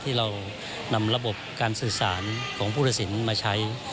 ที่เรานำระบบการสื่อสารของผู้ตัดสินมาใช้